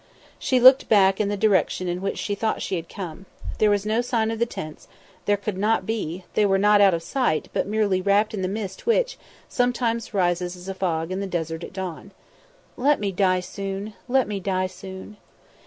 She looked back in the direction in which she thought she had come. There was no sign of the tents; there could not be; they were not out of sight, but merely wrapped in the mist which, sometimes rises as a fog in the desert at dawn. "Let me die soon! let me die soon!"